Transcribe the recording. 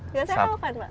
biasanya apa pak